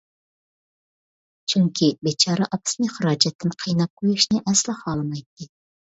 چۈنكى بىچارە ئاپىسىنى خىراجەتتىن قىيناپ قۇيۇشنى ئەسلا خالىمايتتى.